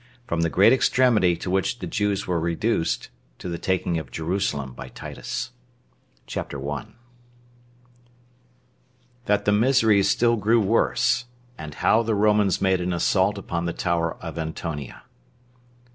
From The Great Extremity To Which The Jews Were Reduced To The Taking Of Jerusalem By Titus. CHAPTER 1. That The Miseries Still Grew Worse; And How The Romans Made An Assault Upon The Tower Of Antonia.